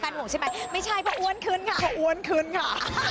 แฟนห่วงใช่มั้ยไม่ใช่เพราะอ้วนขึ้นค่ะ